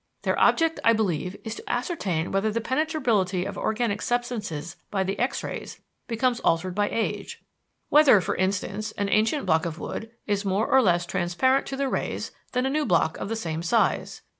"Their object, I believe, is to ascertain whether the penetrability of organic substances by the X rays becomes altered by age; whether, for instance, an ancient block of wood is more or less transparent to the rays than a new block of the same size."